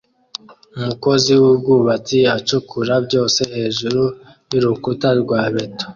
Umukozi wubwubatsi acukura byose hejuru yurukuta rwa beto